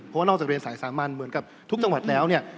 เพราะว่านอกจากเรียนสายสามัญเหมือนกับทุกจังหวัดแล้วเนี่ย